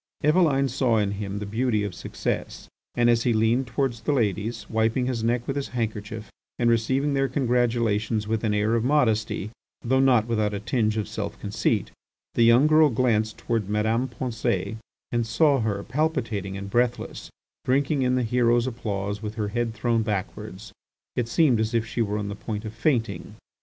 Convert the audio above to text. Eveline saw in him the beauty of success, and as he leaned towards the ladies, wiping his neck with his handkerchief and receiving their congratulations with an air of modesty though not without a tinge of self conceit, the young girl glanced towards Madame Pensée and saw her, palpitating and breathless, drinking in the hero's applause with her head thrown backwards. It seemed as if she were on the point of fainting.